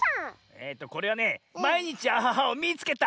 えっとこれはね「まいにちアハハをみいつけた！」。